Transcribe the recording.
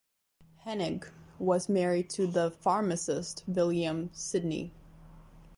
Henig was married to the pharmacist William Sidney.